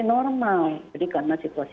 normal jadi karena situasi